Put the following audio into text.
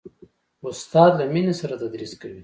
استاد له مینې سره تدریس کوي.